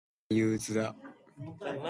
明日からが憂鬱だ。